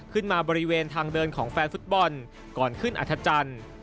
ขึ้นมาบริเวณทางเดินของแฟนฟุตบอลก่อนขึ้นอัธจันทร์